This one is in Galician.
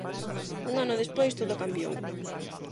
Un ano despois todo cambiou.